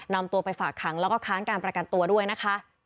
นำตัวไปฝากขังแล้วก็ค้านการประกันตัวด้วยนะคะ